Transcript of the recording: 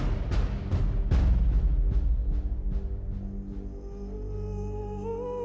nggak ada yang nunggu